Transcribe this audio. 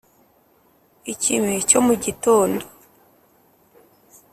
ikime cyo mu gitondo